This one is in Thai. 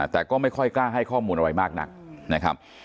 แต่ก็ไม่ค่อยกล้าให้ข้อมูลอะไรมากนักนะครับ